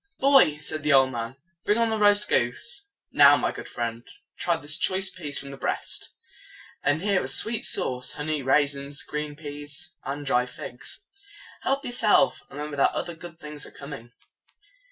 "Boy," said the old man, "bring on the roast goose. Now, my good friend, try this choice piece from the breast. And here are sweet sauce, honey, raisins, green peas, and dry figs. Help yourself, and remember that other good things are coming."